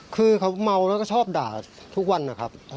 คือเขามัวแล้วชอบด่าทุกวันครับ